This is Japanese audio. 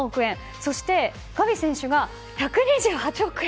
そしてガヴィ選手が１２８億円。